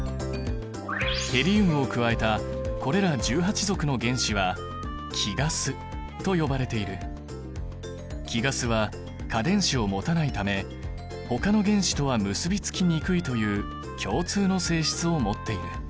ヘリウムを加えたこれら１８族の原子は貴ガスは価電子を持たないためほかの原子とは結びつきにくいという共通の性質を持っている。